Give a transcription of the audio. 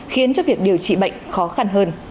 khiến cho việc điều trị bệnh khó khăn hơn